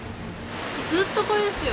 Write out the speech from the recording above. ずっとこれですよ。